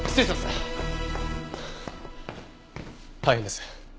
大変です。